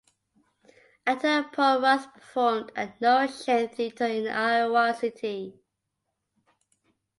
Actor Paul Rust performed at No Shame Theatre in Iowa City.